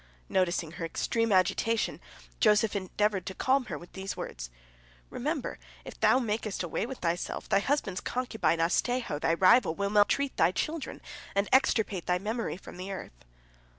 Noticing her extreme agitation, Joseph endeavored to calm her with these words, "Remember, if thou makest away with thyself, thy husband's concubine, Asteho, thy rival, will maltreat thy children, and extirpate thy memory from the earth."